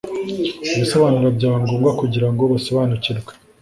ibisobanuro byaba ngombwa kugira ngo basobanukirwe